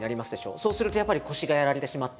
そうするとやっぱり腰がやられてしまって。